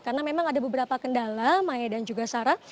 karena memang ada beberapa kendala maya dan juga sarah